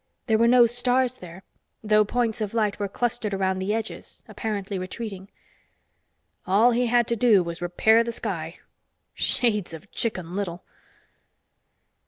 There were no stars there, though points of light were clustered around the edges, apparently retreating. All he had to do was to repair the sky. Shades of Chicken Little!